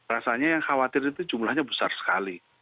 rasanya yang khawatir itu jumlahnya besar sekali